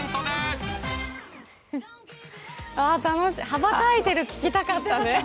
羽ばたいてる、聞きたかったね。